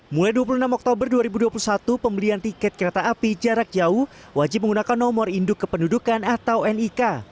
mulai dua puluh enam oktober dua ribu dua puluh satu pembelian tiket kereta api jarak jauh wajib menggunakan nomor induk kependudukan atau nik